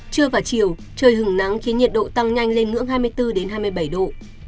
trưa và chiều trời hứng nắng khiến nhiệt độ tăng nhanh lên ngưỡng hai mươi bốn hai mươi bảy độ